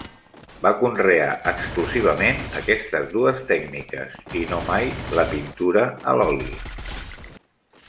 Va conrear exclusivament aquestes dues tècniques, i no mai la pintura a l'oli.